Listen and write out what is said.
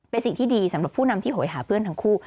เป็นสิ่งที่ดีสำหรับผู้นำที่โหยหาเพื่อนทั้งคู่